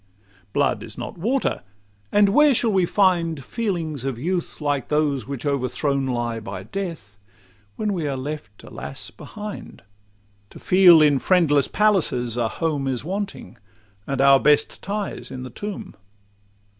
Blood is not water; and where shall we find Feelings of youth like those which overthrown lie By death, when we are left, alas! behind, To feel, in friendless palaces, a home Is wanting, and our best ties in the tomb?